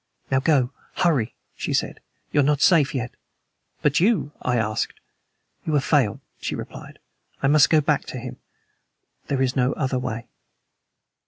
"Now go. Hurry!" she said. "You are not safe yet." "But you?" I asked. "You have failed," she replied. "I must go back to him. There is no other way."